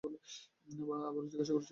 আবারো জিজ্ঞাসা করছি।